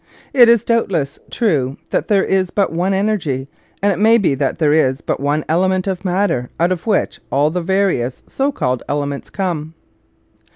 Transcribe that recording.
It is doubtless true that there is but one energy, and it may be that there is but one element of matter out of which all the various so called elements come.